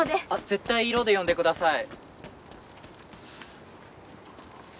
絶対色で呼んでください。